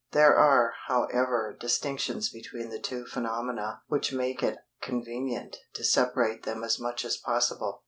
There are, however, distinctions between the two phenomena which make it convenient to separate them as much as possible.